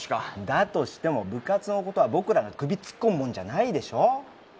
だとしても部活のことは僕らが首突っ込むもんじゃないでしょ。